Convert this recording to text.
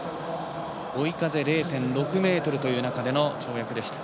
追い風０．６メートルという中での跳躍でした。